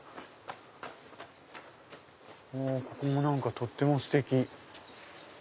ここも何かとってもステキ。